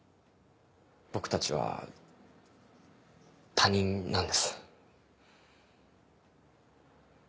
僕たちは他人なんです。